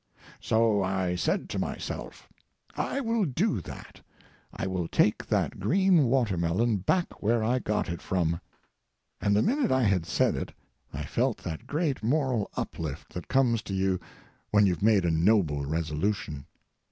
So I said to myself: "I will do that. I will take that green watermelon back where I got it from." And the minute I had said it I felt that great moral uplift that comes to you when you've made a noble resolution.